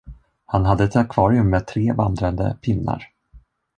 Han hade ett akvarium med tre vandrande pinnar.